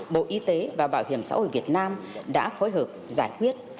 bộ y tế và bảo hiểm xã hội việt nam đã phối hợp giải quyết